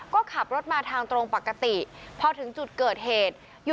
ก็ขับรถมาทางตรงปกติพอถึงจุดเกิดเหตุ